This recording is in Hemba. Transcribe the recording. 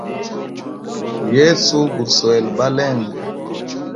Yesu guswele balenge.